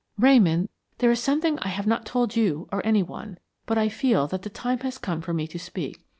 "Ramon, there is something I have not told you or any one; but I feel that the time has come for me to speak.